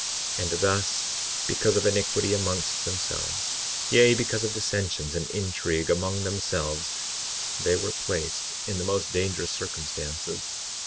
53:9 And thus because of iniquity amongst themselves, yea, because of dissensions and intrigue among themselves they were placed in the most dangerous circumstances.